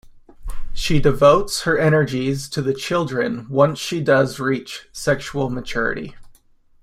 She devotes her energies to the children once she does reach sexual maturity.